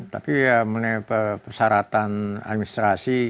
tapi ya menurut saya persyaratan administrasi